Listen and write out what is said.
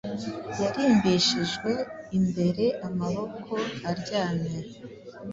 yarimbishijwe imbereamaboko aryamye